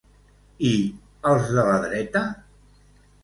I els de la dreta?